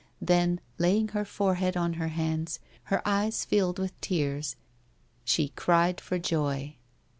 Then, laying her forehead on her hands, her eyes filled with tears, and she cried for joy.